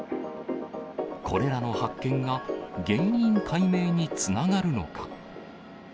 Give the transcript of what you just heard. これらの発見が、原因解明につながるのか。